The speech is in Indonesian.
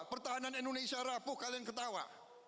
pertahanan indonesia rapuh kalian ketawa